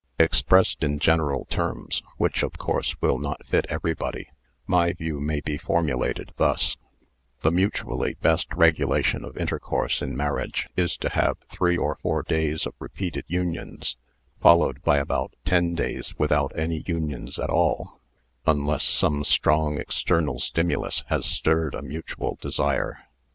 Expressed in general terms (whiclj, of course, will not fit everybody) my view may be formulated thus : The mutually best regulation of intercourse in mar riage is to have three or four days of repeated unions, tollowed by about ten days without any unions at all, unless some strong external stimulus has stirred a mutual desire.